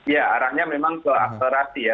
ya arahnya memang ke akselerasi ya